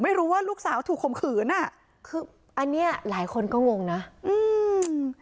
ไม่รู้ว่าลูกสาวถูกข่มขืนอ่ะคืออันเนี้ยหลายคนก็งงนะอืม